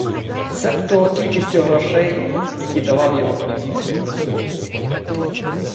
Себто кількістю грошей, які давав його князівський престол